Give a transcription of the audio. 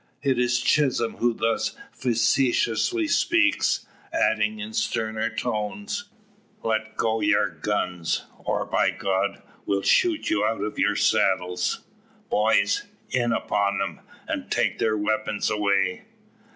It is Chisholm who thus facetiously speaks, adding in sterner tone: "Let go yer guns, or, by God! we'll shoot you out of your saddles. Boys! in upon 'em, and take their weepuns away!"